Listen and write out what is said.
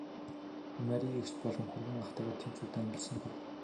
Мария эгч болон хүргэн ахтайгаа тийм ч удаан амьдарсангүй.